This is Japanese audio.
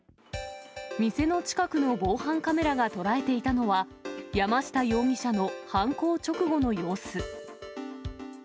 店の近くの防犯カメラが捉えていたのは、山下容疑者の犯行直後の様子。